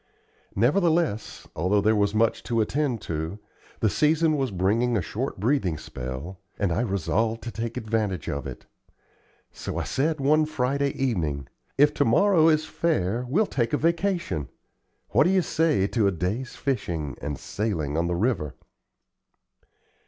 Nevertheless, although there was much to attend to, the season was bringing a short breathing spell, and I resolved to take advantage of it. So I said one Friday evening: "If to morrow is fair, we'll take a vacation. What do you say to a day's fishing and sailing on the river?"